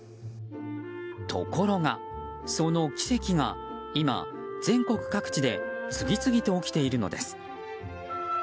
ところが、その奇跡が今、全国各地で次々と起きているのです。